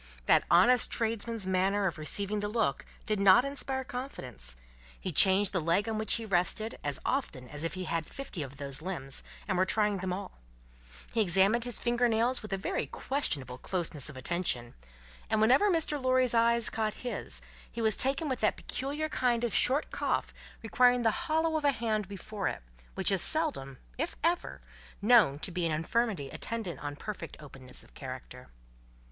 That honest tradesman's manner of receiving the look, did not inspire confidence; he changed the leg on which he rested, as often as if he had fifty of those limbs, and were trying them all; he examined his finger nails with a very questionable closeness of attention; and whenever Mr. Lorry's eye caught his, he was taken with that peculiar kind of short cough requiring the hollow of a hand before it, which is seldom, if ever, known to be an infirmity attendant on perfect openness of character.